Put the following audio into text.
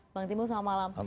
bang timbul selamat malam